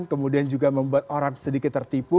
kemudian juga membuat orang sedikit tertipu